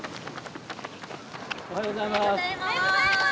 おはようございます。